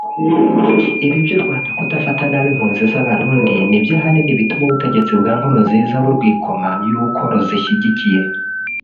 Ibi by’u Rwanda kudafata nabi impunzi z’Abarundi nibyo ahanini bituma ubutegetsi bwa Nkurunziza burwikoma yuko ruzishyigikiye